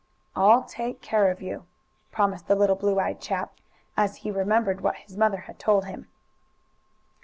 "I'll take care of you," promised the little blue eyed chap, as he remembered what his mother had told him.